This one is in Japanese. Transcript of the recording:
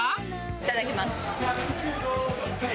いただきます。